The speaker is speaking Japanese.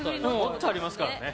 もっとありますからね。